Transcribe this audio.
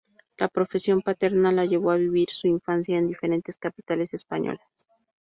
La profesión paterna le llevó a vivir su infancia en diferentes capitales españolas.